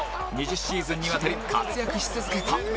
２０シーズンにわたり活躍し続けた